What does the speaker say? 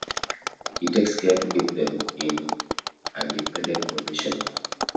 He takes care to keep them in a dependent position.